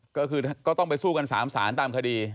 ครับก็ต้องไปสู้กันสามศาลตามคดี